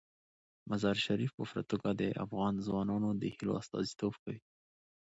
مزارشریف په پوره توګه د افغان ځوانانو د هیلو استازیتوب کوي.